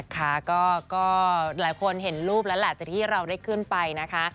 ค่ะก็หลายคนเห็นรูปแล้วแหละจากที่เราได้ขึ้นไปนะคะ